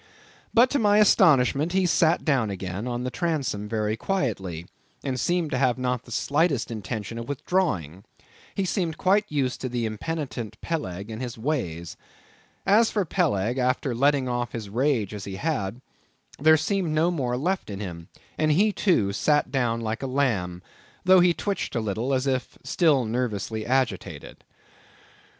But to my astonishment, he sat down again on the transom very quietly, and seemed to have not the slightest intention of withdrawing. He seemed quite used to impenitent Peleg and his ways. As for Peleg, after letting off his rage as he had, there seemed no more left in him, and he, too, sat down like a lamb, though he twitched a little as if still nervously agitated.